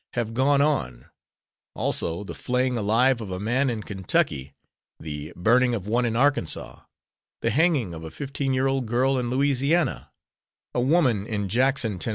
have gone on; also the flaying alive of a man in Kentucky, the burning of one in Arkansas, the hanging of a fifteen year old girl in Louisiana, a woman in Jackson, Tenn.